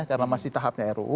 karena masih tahapnya ruu